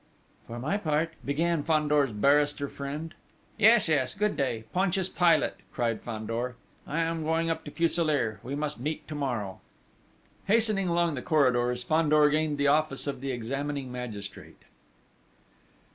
"For my part ..." began Fandor's barrister friend. "Yes, yes! Good day, Pontius Pilate!" cried Fandor. "I am going up to Fuselier.... We must meet to morrow!" Hastening along the corridors, Fandor gained the office of the examining magistrate.